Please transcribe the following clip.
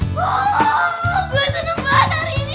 gue seneng banget hari ini